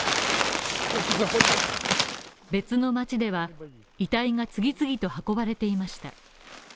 別の街では、遺体が次々と運ばれていました。